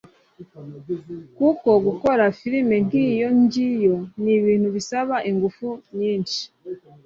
kuko gukora filime nk'iyo ngiyo ni ibintu bisaba ingufu nyinshi